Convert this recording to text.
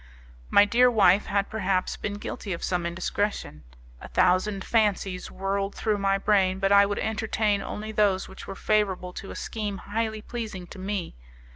My dear wife had, perhaps, been guilty of some indiscretion. A thousand fancies whirled through my brain, but I would entertain only those which were favourable to a scheme highly pleasing to me.